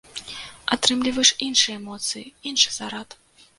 Атрымліваеш іншыя эмоцыі, іншы зарад.